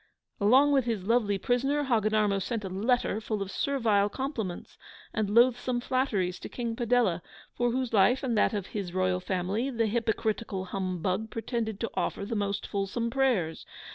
Along with his lovely prisoner, Hogginarmo sent a letter full of servile compliments and loathsome flatteries to King Padella, for whose life, and that of his royal family, the HYPOCRITICAL HUMBUG pretended to offer the most fulsome prayers.